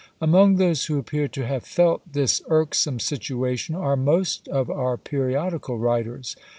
Among those who appear to have felt this irksome situation, are most of our periodical writers.